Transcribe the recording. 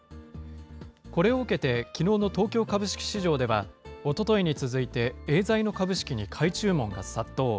これを受けてきのうの東京株式市場では、おとといに続いて、エーザイの株式に買い注文が殺到。